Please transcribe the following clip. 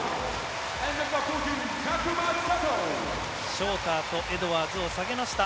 ショーターとエドワーズを下げました。